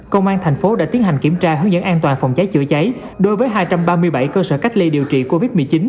công an thành phố đã tiến hành kiểm tra hướng dẫn an toàn phòng cháy chữa cháy đối với hai trăm ba mươi bảy cơ sở cách ly điều trị covid một mươi chín